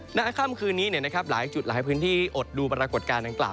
หน้าค่ำคืนนี้หลายจุดหลายพื้นที่อดดูปรากฏการณ์ดังกล่าว